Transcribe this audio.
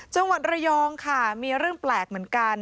จังหวัดระยองค่ะมีเรื่องแปลกเหมือนกัน